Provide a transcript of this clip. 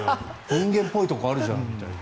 人間っぽいところあるじゃんみたいな。